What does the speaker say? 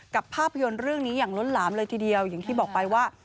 ภาพยนตร์เรื่องนี้อย่างล้นหลามเลยทีเดียวอย่างที่บอกไปว่า